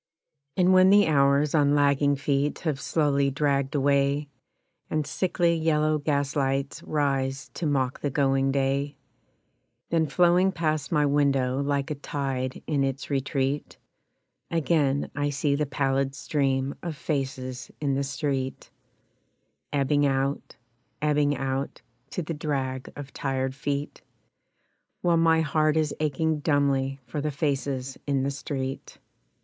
And when the hours on lagging feet have slowly dragged away, And sickly yellow gaslights rise to mock the going day, Then flowing past my window like a tide in its retreat, Again I see the pallid stream of faces in the street Ebbing out, ebbing out, To the drag of tired feet, While my heart is aching dumbly for the faces in the street.